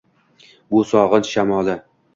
Bu sog’inch shamoli.